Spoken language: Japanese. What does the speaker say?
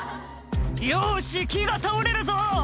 「よし木が倒れるぞ」